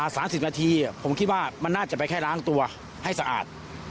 ๓๐นาทีผมคิดว่ามันน่าจะไปแค่ล้างตัวให้สะอาด